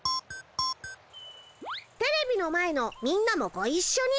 テレビの前のみんなもごいっしょに。